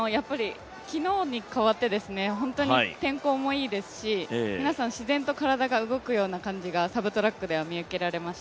昨日に変わって天候もいいですし皆さん自然と体が動くような感じがサブトラックから見受けられます。